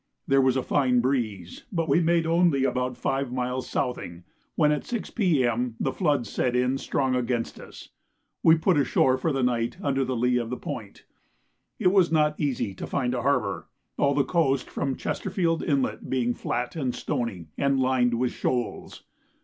There was a fine breeze, but we made only about five miles southing, when at 6 P.M. the flood setting in strong against us, we put ashore for the night under the lee of the point. It was not easy to find a harbour, all the coast from Chesterfield Inlet being flat and stony, and lined with shoals.